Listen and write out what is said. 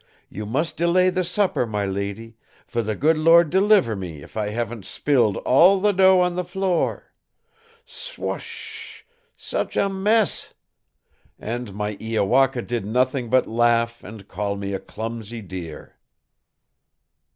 You must delay the supper my lady, for the good Lord deliver me if I haven't spilled all the dough on the floor! Swas s s s h such a mess! And my Iowaka did nothing but laugh and call me a clumsy dear!"